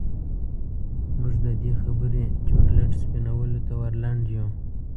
موږ د دې خبرې چورلټ سپينولو ته ور لنډ يوو.